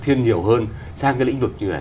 thiên nhiều hơn sang cái lĩnh vực như là